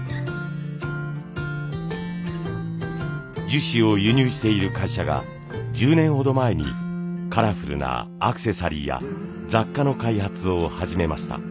樹脂を輸入している会社が１０年ほど前にカラフルなアクセサリーや雑貨の開発を始めました。